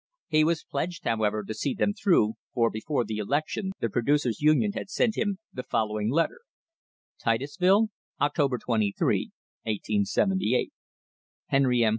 He was pledged, however, to see them through, for before the election the Producers' Union had sent him the following letter: "Titusville, October 23, 1878. " Henry M.